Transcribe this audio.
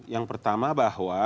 yang pertama bahwa